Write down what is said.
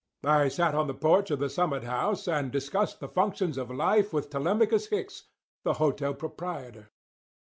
I sat on the porch of the Summit House and discussed the functions of life with Telemachus Hicks, the hotel proprietor.